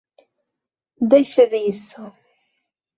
Deixa disso!